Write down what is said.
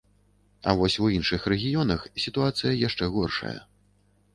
А вось у іншых рэгіёнах сітуацыя яшчэ горшая.